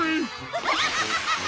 アハハハハハハ！